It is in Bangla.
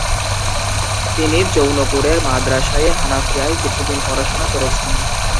তিনি জৌনপুরের মাদ্রাসায়ে হানাফিয়ায় কিছুদিন পড়াশোনা করেছেন।